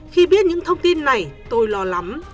khi biết những thông tin này tôi lo lắm